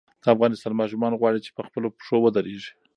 د افغانستان ماشومان غواړي چې په خپلو پښو ودرېږي.